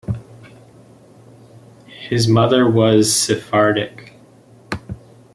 His mother was Sephardic.